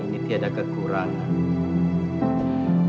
ini tiada kekurangan